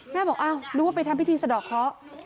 บอกอ้าวรู้ว่าไปทำพิธีสะดอกเคราะห์